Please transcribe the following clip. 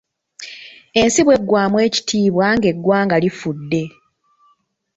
Ensi bweggwamu ekitiibwa ng'eggwanga lifudde.